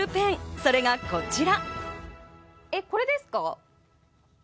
それがこちら。